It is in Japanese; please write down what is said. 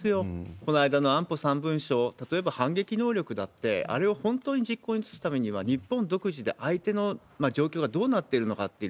この間の安保３文書、例えば反撃能力だって、あれを本当に実効に移すためには日本独自で相手の状況がどうなっているのかっていう、